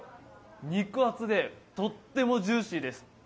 肉厚でとってもジューシーです。